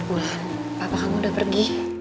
udah papa kamu udah pergi